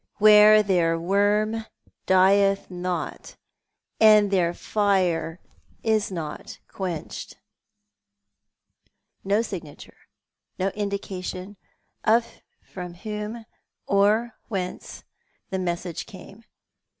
Where their worm dieth not, and their fire is not quenched." No signature; no indication of from whom or whence the message came.